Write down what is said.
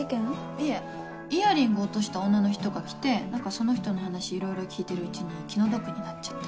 いえイヤリング落とした女の人が来てその人の話いろいろ聞いてるうちに気の毒になっちゃって。